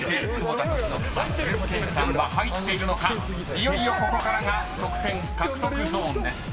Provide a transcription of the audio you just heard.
［いよいよここからが得点獲得ゾーンです］